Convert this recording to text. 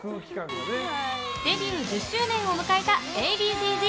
デビュー１０周年を迎えたＡ．Ｂ．Ｃ‐Ｚ。